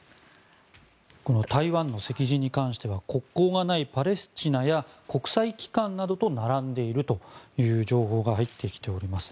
台湾の席次については国交がないパレスチナや国際機関などと並んでいるという情報が入ってきております。